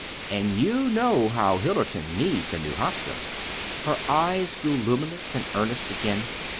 And you know how Hillerton needs a new hospital." Her eyes grew luminous and earnest again.